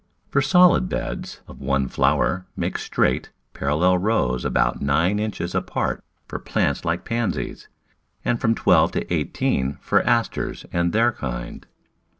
For solid beds of one flower make straight, paral lel rows about nine inches apart for plants like Pan sies, and from twelve to eighteen for Asters and their kind.